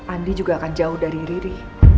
andi juga akan jauh dari riri